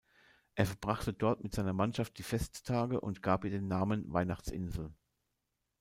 Er verbrachte dort mit seiner Mannschaft die Festtage und gab ihr den Namen Weihnachtsinsel.